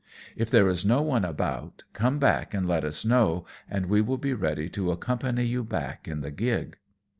If there is no one about, come back and let us know, and we will be ready to accompany you back in the gig."